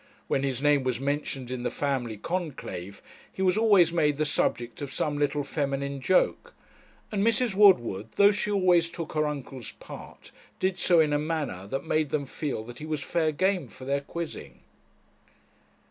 When his name was mentioned in the family conclave, he was always made the subject of some little feminine joke; and Mrs. Woodward, though she always took her uncle's part, did so in a manner that made them feel that he was fair game for their quizzing.